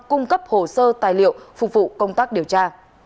cung cấp hồ sơ tài liệu phục vụ công tác điều tra